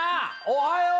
おはよう！